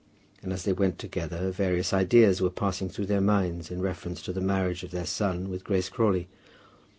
And as they went together various ideas were passing through their minds in reference to the marriage of their son with Grace Crawley.